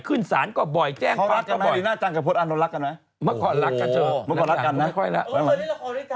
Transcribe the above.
เค้าเคยเล่นละครด้วยกัน